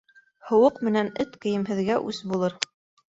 Һыуыҡ менән эт кейемһеҙгә үс булыр.